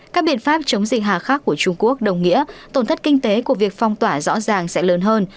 các biện pháp chống dịch hà khắc của trung quốc đồng nghĩa tổn thất kinh tế của việc phong tỏa rõ ràng sẽ lớn hơn